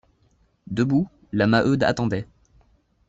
Debout, la Maheude attendait.